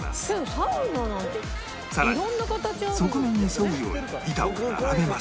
さらに側面に沿うように板を並べます